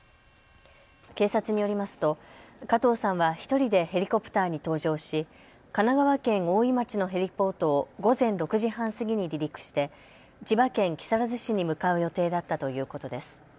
警察によりますと加藤さんは１人でヘリコプターに搭乗し神奈川県大井町のヘリポートを午前６時半過ぎに離陸して千葉県木更津市に向かう予定だったということです。